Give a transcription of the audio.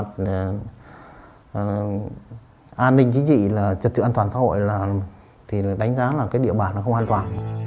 cái chính trị là trật tựu an toàn xã hội là đánh giá là cái địa bàn nó không an toàn